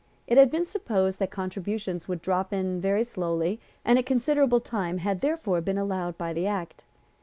It had been supposed that contributions would drop in very slowly; and a considerable time had therefore been allowed by the Act.